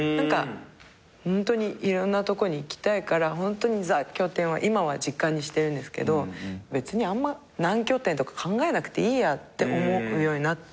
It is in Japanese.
ホントにいろんなとこに行きたいからザ拠点は今は実家にしてるんですけど別にあんま何拠点とか考えなくていいやって思うようになって。